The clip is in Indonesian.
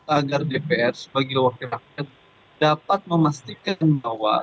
agar dpr sebagai wakil rakyat dapat memastikan bahwa